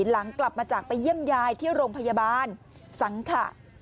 หลังกลับมาจากไปเยี่ยมยายที่โรงพยาบาลสังขะ